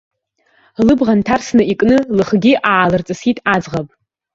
Лыбӷа нҭарсны икны, лыхгьы аалырҵысит аӡӷаб.